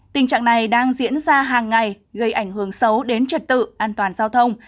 tình trạng này đang diễn ra hàng ngày gây ảnh hưởng xấu đến trật tự an toàn giao thông